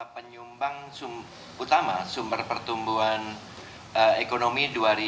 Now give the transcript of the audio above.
penyumbang utama sumber pertumbuhan ekonomi dua ribu tujuh belas